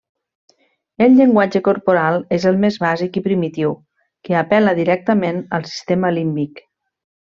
El llenguatge corporal és el més bàsic i primitiu, que apel·la directament al sistema límbic.